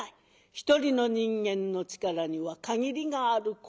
一人の人間の力には限りがある。